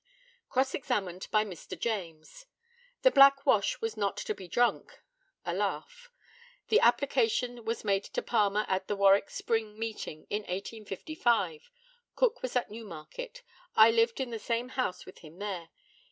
Cross examined by Mr. James: The black wash was not to be drunk [a laugh]. The application was made to Palmer at the Warwick Spring meeting in 1855. Cook was at Newmarket. I lived in the same house with him there.